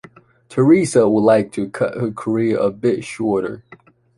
Theresa would like to cut her career a bit shorter.